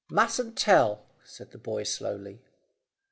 "Mustn't tell," said the boy slowly.